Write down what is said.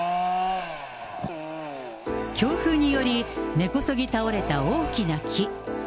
強風により根こそぎ倒れた大きな木。